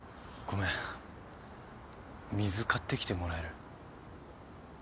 ごめん水買ってきてもらえる？